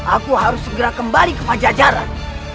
aku harus segera kembali ke pajajaran